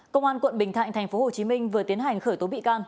công an quận bình thạnh tp hcm vừa tiến hành khởi tố bị can